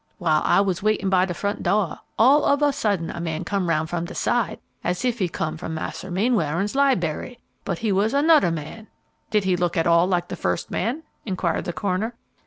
While I was waitin' by de front dooh, all oh a sudden a man come roun' from de side, as ef he come from mars'r Mainwaring's liberry, but he was anoder man." "Didn't he look at all like the first man?" inquired the coroner.